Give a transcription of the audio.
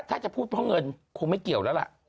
ถ้าจะพูดเพราะเงินคงไม่เกี่ยวแล้วล่ะ